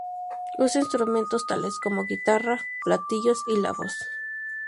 Usa instrumentos tales como: guitarra, platillos y la voz.